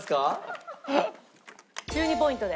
１２ポイントで。